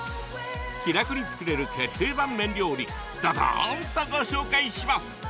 気楽に作れる決定版麺料理どどーんとご紹介します。